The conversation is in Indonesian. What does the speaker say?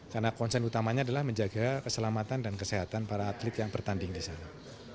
karena konsen utamanya adalah menjaga keselamatan dan kesehatan para atlet yang bertanding di sana